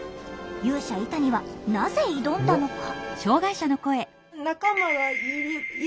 勇者イタニはなぜ挑んだのか？